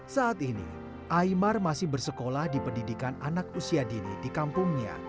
saat ini aymar masih bersekolah di pendidikan anak usia dini di kampungnya